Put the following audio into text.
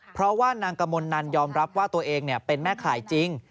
เพราะว่านางกมลนันยอมรับว่าตัวเองเป็นแม่ข่ายจริง